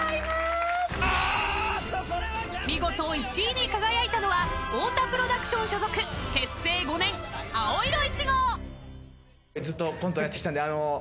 ［見事１位に輝いたのは太田プロダクション所属結成５年青色１号］